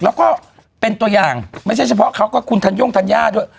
แล้วก็เป็นตัวอย่างไม่ใช่เฉพาะเขาก็คุณธัญโย่งธัญญาด้วย